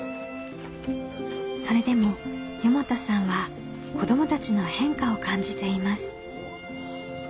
それでも四方田さんは子どもたちの変化を感じています。